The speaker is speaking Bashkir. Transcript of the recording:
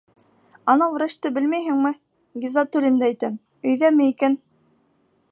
Анау врачты белмәйһеңме, Ғиззәтуллинды әйтәм, өйҙәме икән?